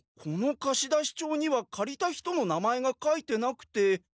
この貸出帳にはかりた人の名前が書いてなくて。